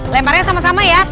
lemparnya sama sama ya